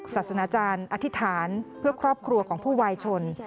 ศาสนาจารอธิษฐานเพื่อครอบครัวของผู้วายชน